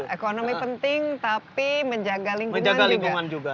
ekonomi penting tapi menjaga lingkungan juga